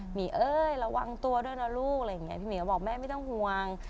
หมีเอ่ยระวังตัวด้วยนะลูกพี่หมีก็บอกแม่ไม่ต้องห่วง